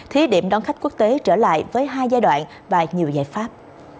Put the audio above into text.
thí điểm đón khách quốc tế trở lại với hai giai đoạn và nhiều giải pháp